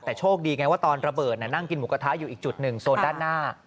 แต่โชคดีไงว่าตอนระเบิดนั่งกินหมูกระทะอยู่อีกจุดหนึ่งโซนด้านหน้า